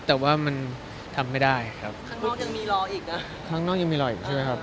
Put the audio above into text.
แต่ว่ามันทำไม่ได้ครับ